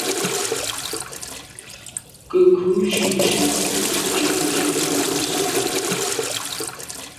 Ke ghù jujù dun ntùm bam se.